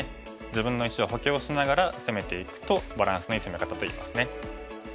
自分の石を補強しながら攻めていくとバランスのいい攻め方と言えます。